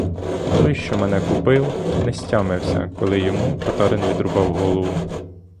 Той, що мене купив, не стямився, коли йому татарин відрубав голову.